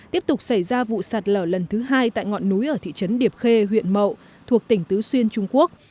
tiếp tục xảy ra vụ sạt lở lần thứ hai tại ngọn núi ở thị trấn điệp khê huyện mậu thuộc tỉnh tứ xuyên trung quốc